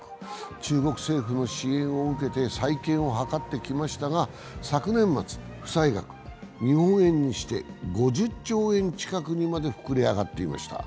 中国政府の支援を受けて再建を図ってきましたが昨年末の負債額は日本円にして５０兆円近くにまで膨れ上がっていました。